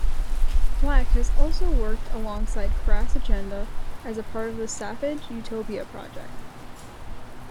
Black has also worked alongside Crass Agenda as part of the "Savage Utopia" project.